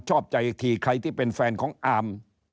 ชอบใจอีกทีใครที่เป็นแฟนของอาม